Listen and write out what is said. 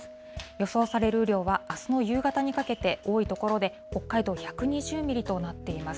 予想される雨量は、あすの夕方にかけて多い所で北海道１２０ミリとなっています。